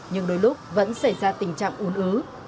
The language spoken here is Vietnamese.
nhưng đôi lúc vẫn xảy ra tình trạng uốn ứ